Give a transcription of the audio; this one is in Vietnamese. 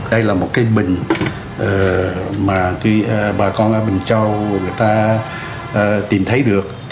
đây là một cái bình mà bà con ở bình châu người ta tìm thấy được